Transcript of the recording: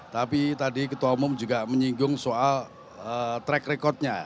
tapi tadi ketua umum juga menyinggung soal track recordnya